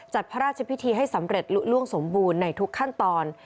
พระราชพิธีให้สำเร็จลุล่วงสมบูรณ์ในทุกขั้นตอน